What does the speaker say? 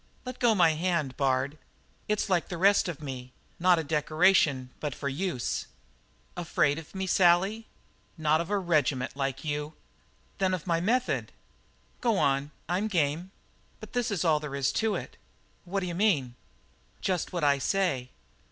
"Let go my hand, Bard. It's like the rest of me not a decoration but for use." "Afraid of me, Sally?" "Not of a regiment like you." "Then of my method?" "Go on; I'm game." "But this is all there is to it." "What d'you mean?" "Just what I say.